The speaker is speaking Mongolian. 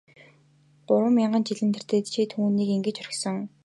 Гурван мянган жилийн тэртээд чи түүнийг ингэж орхисон.